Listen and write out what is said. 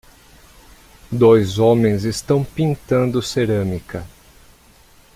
Dois homens estão pintando cerâmica.